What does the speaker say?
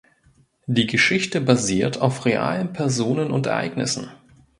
Die Geschichte basiert auf realen Personen und Ereignissen.